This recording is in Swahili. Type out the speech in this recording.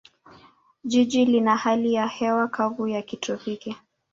Jiji lina hali ya hewa kavu ya kitropiki.